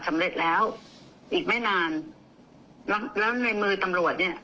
สำเร็จแล้วอีกไม่นานแล้วแล้วในมือตำรวจเนี้ย